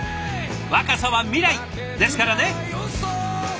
若さは未来ですからね！